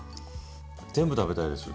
全部食べたいです。